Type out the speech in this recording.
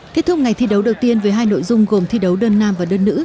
kết thúc ngày thi đấu đầu tiên với hai nội dung gồm thi đấu đơn nam và đơn nữ